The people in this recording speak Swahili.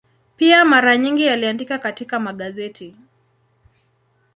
Pia mara nyingi aliandika katika magazeti.